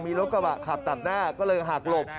มีรถกระบะขับตัดหน้าก็เลยหักหลบ